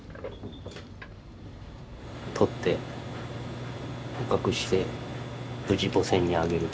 獲って捕獲して無事母船にあげる。